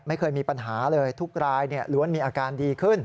ไม่เคยมีปัญหาเลยทุกรายล้วนมีอาการดีขึ้น